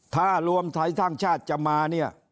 ถ้ารวมไทยท่างชาติจะมา